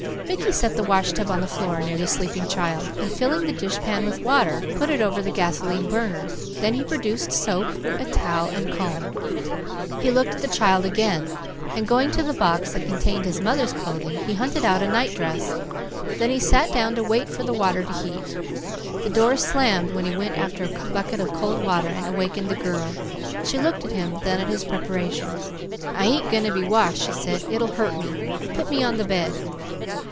Mickey set the washtub on the floor near the sleeping child, and filling the dishpan with water, put it over the gasoline burner. Then he produced soap, a towel, and comb. He looked at the child again, and going to the box that contained his mother's clothing he hunted out a nightdress. Then he sat down to wait for the water to heat. The door slammed when he went after a bucket of cold water, and awakened the girl. She looked at him, then at his preparations. "I ain't going to be washed," she said. "It'll hurt me. Put me on the bed."